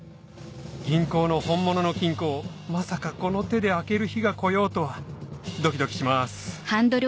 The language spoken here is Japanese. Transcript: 銀行の本物の金庫をまさかこの手で開ける日が来ようとはドキドキします